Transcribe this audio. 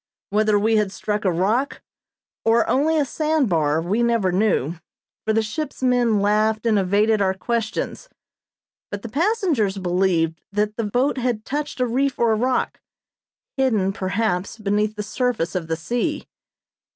Whether we had struck a rock, or only a sand bar, we never knew, for the ship's men laughed and evaded our questions; but the passengers believed that the boat had touched a reef or rock, hidden, perhaps, beneath the surface of the sea.